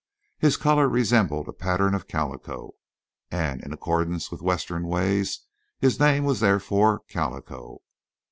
His color resembled a pattern of calico, and in accordance with Western ways his name was therefore Calico.